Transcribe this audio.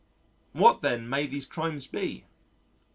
What, then, may these crimes be?